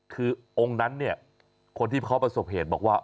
คือองค์นั้นเนี่ยคนที่เขาประสบเหตุบอกว่า